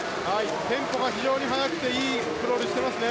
テンポが非常に速くていいクロールしていますね。